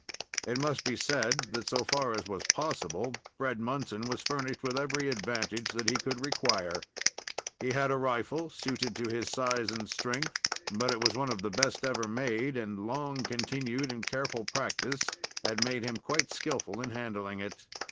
It must be said that, so far as it was possible, Fred Munson was furnished with every advantage that he could require. He had a rifle suited to his size and strength, but it was one of the best ever made, and long continued and careful practice had made him quite skillful in handling it.